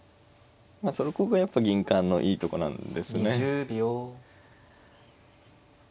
まあそこがやっぱ銀冠のいいとこなんですね。